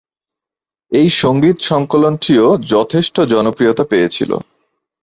এই সংগীত-সঙ্কলনটিও যথেষ্ট জনপ্রিয়তা পেয়েছিল।